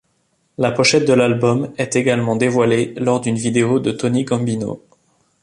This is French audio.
La pochette de l'album est également dévoilée lors d'une vidéo de Tony Gambino.